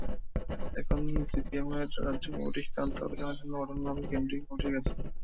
এখন সিপিএমের রাজ্য কমিটির সিদ্ধান্ত আলোচনার জন্য পাঠানো হবে কেন্দ্রীয় কমিটির কাছে।